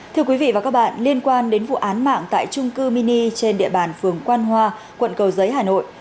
thưa quý vị và các bạn liên quan đến vụ án mạng tại trung cư mini trên địa bàn phường quan hoa quận cầu giấy hà nội